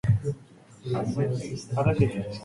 早く文章溜めて